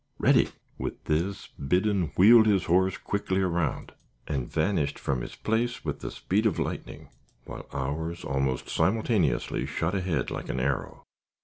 Ready!" With this, Biddon wheeled his horse quickly around, and vanished from his place with the speed of lightning, while ours almost simultaneously shot ahead like an arrow.